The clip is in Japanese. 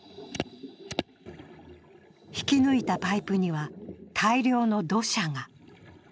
引き抜いたパイプには大量の土砂が。